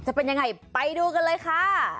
จะเป็นยังไงไปดูกันเลยค่ะ